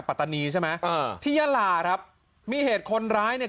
ปะตะนิใช่ไหมอ่าอ่าที่ยาหร่าครับมีเหตุคนร้ายนี่